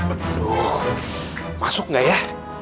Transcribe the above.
aduh masuk nggak ya